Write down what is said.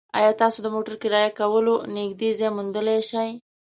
ایا تاسو د موټر کرایه کولو نږدې ځای موندلی شئ؟